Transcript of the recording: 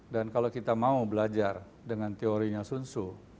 dan kalau kita mau belajar dengan teorinya sun tzu